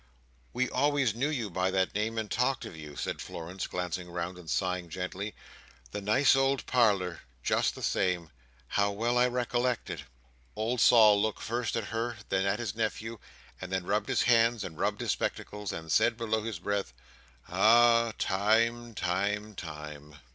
"We always knew you by that name, and talked of you," said Florence, glancing round, and sighing gently. "The nice old parlour! Just the same! How well I recollect it!" Old Sol looked first at her, then at his nephew, and then rubbed his hands, and rubbed his spectacles, and said below his breath, "Ah! time, time, time!"